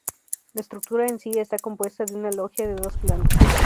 La estructura en sí está compuesta de una logia de dos plantas.